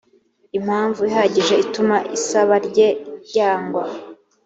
impamvu ihagije ituma isaba rye ryangwa